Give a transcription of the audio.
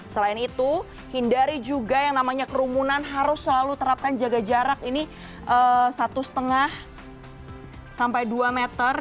selain itu hindari juga yang namanya kerumunan harus selalu terapkan jaga jarak ini satu lima sampai dua meter